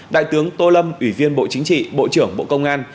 đại tướng tô lâm ủy viên bộ chính trị bộ trưởng bộ công an